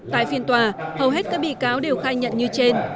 tại phiên tòa hầu hết các bị cáo đều khai nhận như trên